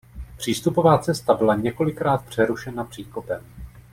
Přístupová cesta byla několikrát přerušena příkopem.